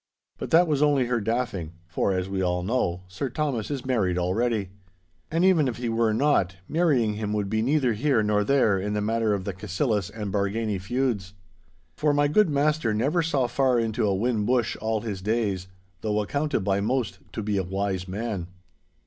But that was only her daffing, for, as we all know, Sir Thomas is married already. And even if he were not, marrying him would be neither here nor there in the matter of the Cassillis and Bargany feuds.' For my good master never saw far into a whin bush all his days, though accounted by most to be a wise man.